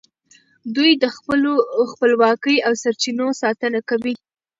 دوی د خپلې خپلواکۍ او سرچینو ساتنه کوي